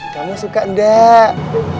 kamu suka dek